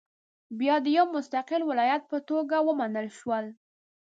بیا د یو مستقل ولایت په توګه ومنل شول.